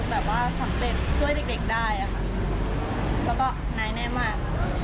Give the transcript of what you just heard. แล้วก็ไหนแน่มาก